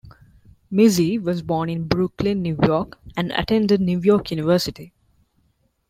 Mizzy was born in Brooklyn, New York, and attended New York University.